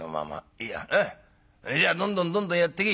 いいやほいじゃあどんどんどんどんやってけ」。